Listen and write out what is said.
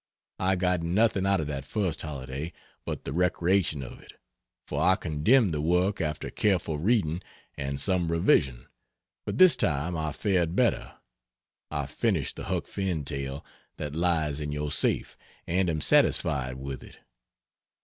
I got nothing out of that first holiday but the recreation of it, for I condemned the work after careful reading and some revision; but this time I fared better I finished the Huck Finn tale that lies in your safe, and am satisfied with it.